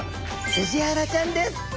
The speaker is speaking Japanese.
スジアラちゃんです。